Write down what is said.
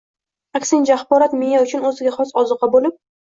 Aksincha, axborot miya uchun o‘ziga xos ozuqa bo‘lib